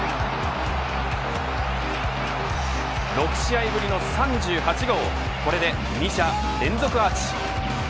６試合ぶりの３８号これで２者連続アーチ。